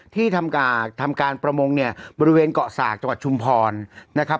ที่ทำการประมงเนี่ยบริเวณเกาะสากจังหวัดชุมพรนะครับ